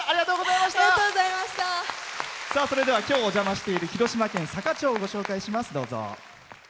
それでは、今日お邪魔している広島県坂町をご紹介します。